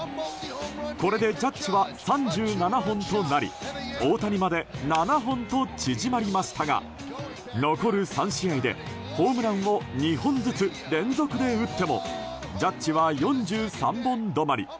これでジャッジは３７本となり大谷まで７本と縮まりましたが残る３試合でホームランを２本ずつ連続で打ってもジャッジは４３本止まり。